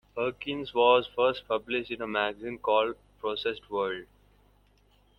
Perkins was first published in a magazine called Processed World.